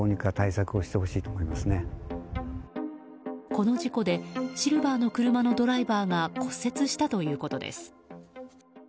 この事故でシルバーの車のドライバーが骨折したということです。